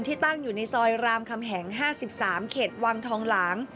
ตั้งอยู่ในซอยรามคำแหง๕๓เขตวังทองหลาง